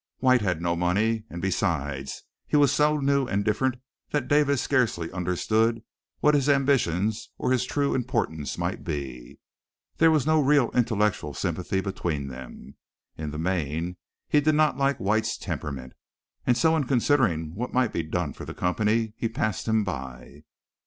White had no money, and besides he was so new and different that Davis scarcely understood what his ambitions or his true importance might be. There was no real intellectual sympathy between them. In the main, he did not like White's temperament, and so in considering what might be done for the company he passed him by.